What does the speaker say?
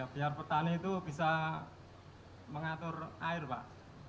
biar petani itu bisa mengatur air pak